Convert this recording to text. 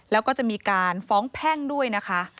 แล้วก็จะมีการฟ้องแพ่งด้วยนะคะ